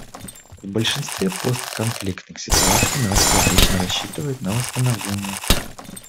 В большинстве постконфликтных ситуаций нации обычно рассчитывают на восстановление.